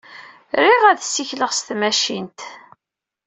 Riɣ ad ssikleɣ s tmacint.